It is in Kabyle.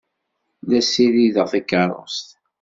La ssirideɣ takeṛṛust.